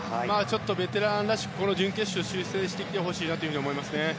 ベテランらしく準決勝進出をしてきてほしいなと思います。